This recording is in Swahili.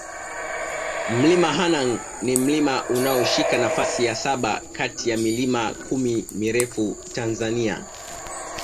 Mlima Hanang ni mlima unaoshika nafasi ya saba kati ya milima kumi mirefu Tanzania